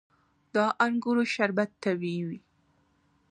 د انګورو شربت طبیعي وي.